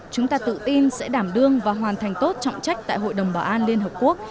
chúng ta tự tin sẽ đảm đương và hoàn thành tốt trọng trách tại hội đồng bảo an liên hợp quốc